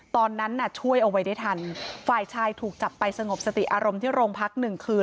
ตอนนั้นน่ะช่วยเอาไว้ได้ทันฝ่ายชายถูกจับไปสงบสติอารมณ์ที่โรงพักหนึ่งคืน